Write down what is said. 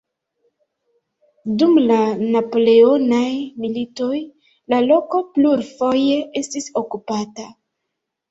Dum la Napoleonaj Militoj la loko plurfoje estis okupata.